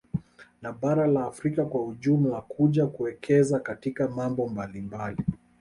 Na bara la Afrika kwa ujumla kuja kuwekeza katika mambo mbalimmbali